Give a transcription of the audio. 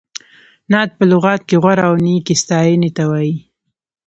نعت په لغت کې غوره او نېکې ستایینې ته وایي.